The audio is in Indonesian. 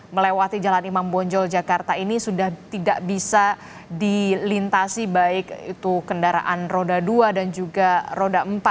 melewati jalan imam bonjol jakarta ini sudah tidak bisa dilintasi baik itu kendaraan roda dua dan juga roda empat